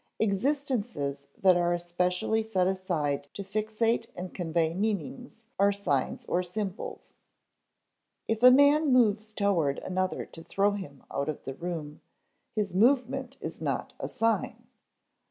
Existences that are especially set aside to fixate and convey meanings are signs or symbols. If a man moves toward another to throw him out of the room, his movement is not a sign.